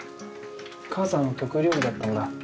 母さんの得意料理だったんだ。